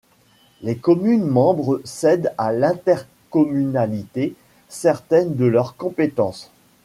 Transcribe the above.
Les communes membres cèdent à l'intercommunalité certaines de leurs compétences.